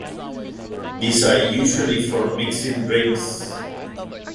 These are usually for mixing drinks.